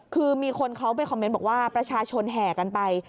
คือมีคนเขาไปคอมเมนต์บอกว่าประชาชนแห่กันไป